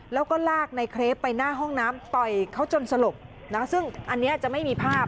แล้วก็ลากในเครปไปหน้าห้องน้ำต่อยเขาจนสลบนะคะซึ่งอันนี้จะไม่มีภาพ